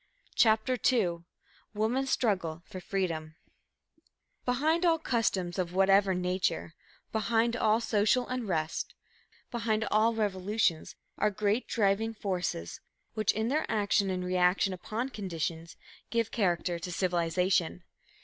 CHAPTER II WOMAN'S STRUGGLE FOR FREEDOM Behind all customs of whatever nature; behind all social unrest, behind all movements, behind all revolutions, are great driving forces, which in their action and reaction upon conditions, give character to civilization.